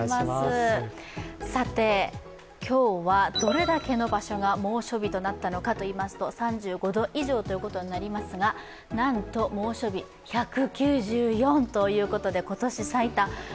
さて、今日はどれだけの場所が猛暑日となったのかといいますと３５度以上ということになりますが、なんと猛暑日、１９４ということで今年最多。